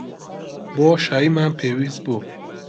بۆشاییمان پێویست بوو.